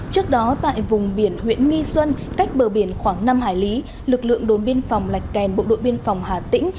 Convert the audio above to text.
trước đó tại vùng biển huyện nghi xuân cách bờ biển khoảng năm hải lý lực lượng đồn biên phòng lạch kèn bộ đội biên phòng hà tĩnh